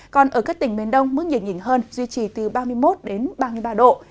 còn ở các tỉnh miền đông mức nhiệt nhỉnh hơn duy trì từ ba mươi một đến ba mươi ba độ